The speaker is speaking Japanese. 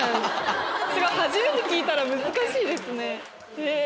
初めて聞いたら難しいですね。